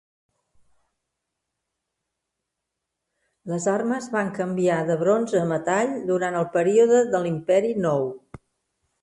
Les armes van canviar de bronze a metall durant el període de l'Imperi Nou.